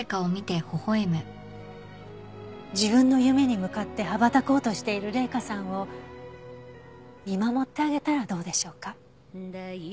自分の夢に向かって羽ばたこうとしている麗華さんを見守ってあげたらどうでしょうか？